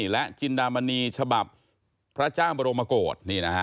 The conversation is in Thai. และจินดามณีฉบับพระเจ้าบรมกฏ